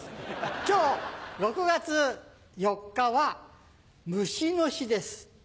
今日６月４日はムシの日です。